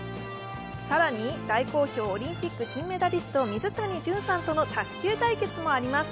更に大好評、オリンピック金メダリスト、水谷隼さんとの卓球対決もあります。